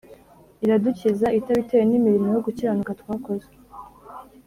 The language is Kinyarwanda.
"Iradukiza, itabitewe n'imirimo yo gukiranuka twakoze,